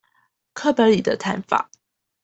課本裡的談法